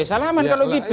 salah aman kalau gitu